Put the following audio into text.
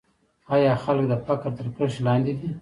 آیا خلک د فقر تر کرښې لاندې دي؟